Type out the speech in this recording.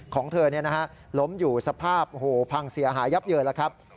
ของเธอล้มอยู่สภาพพังเสียหายยับเยินแล้วครับ